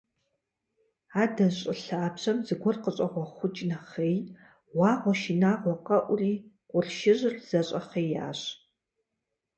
Адэ щӏы лъабжьэм зыгуэр къыщӏэгъуэхъукӏ нэхъей, гъуагъуэ шынагъуэ къэӏури, къуршыжьыр зэщӏэхъеящ.